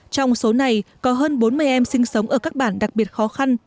trong số này có hơn bốn mươi em sinh sống ở các bản đặc biệt khó khăn